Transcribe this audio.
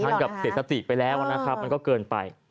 ถึงทั้งเศรษฐกิจไปแล้วนะครับมันก็เกินไป